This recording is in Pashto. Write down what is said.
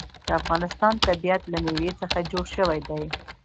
د افغانستان طبیعت له مېوې څخه جوړ شوی دی.